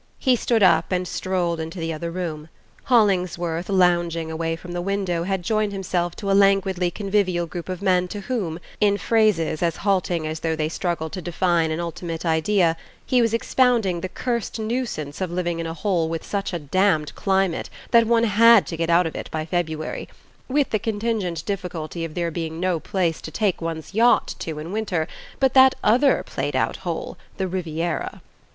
He stood up and strolled into the other room. Hollingsworth, lounging away from the window, had joined himself to a languidly convivial group of men to whom, in phrases as halting as though they struggled to define an ultimate idea, he was expounding the cursed nuisance of living in a hole with such a damned climate that one had to get out of it by February, with the contingent difficulty of there being no place to take one's yacht to in winter but that other played out hole, the Riviera.